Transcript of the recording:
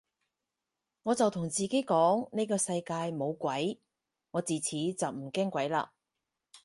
我就同自己講呢個世界冇鬼，我自此就唔驚鬼嘞